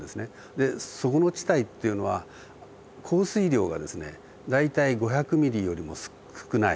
でそこの地帯っていうのは降水量がですね大体５００ミリよりも少ない。